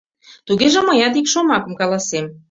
— Тугеже мыят ик шомакым каласем.